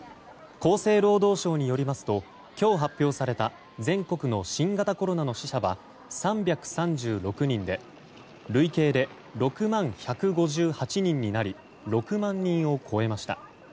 厚生労働省によりますと今日発表された全国の新型コロナの死者は３３６人で累計で６万１５８人になり６万人を超えました。